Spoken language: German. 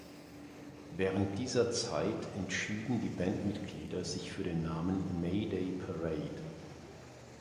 Während dieser Zeit entschieden die Bandmitglieder sich für den Namen Mayday Parade.